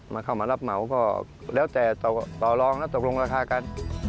มาเข้ามารับเหมาก็แล้วแต่ต่อลองแล้วตกลงราคากัน